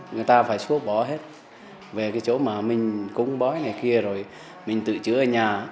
người ta phải xuống bỏ hết về cái chỗ mà mình cúng bói này kia rồi mình tự chữa ở nhà